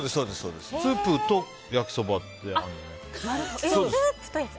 スープと焼きそばってね。